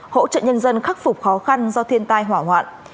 hỗ trợ nhân dân khắc phục khó khăn do thiên tai hỏa hoạn